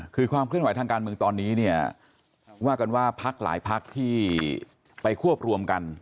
คือความเคลื่อนไหวทางการเมืองตอนนี้เนี่ยว่ากันว่าพักหลายพักที่ไปควบรวมกัน